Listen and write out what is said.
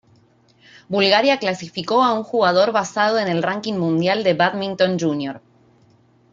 Bulgaria clasificó a un jugador basado en el ranking mundial de bádminton junior.